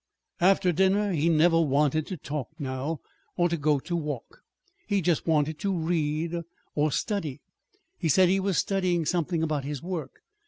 After dinner he never wanted to talk now, or to go to walk. He just wanted to read or study. He said he was studying; something about his work.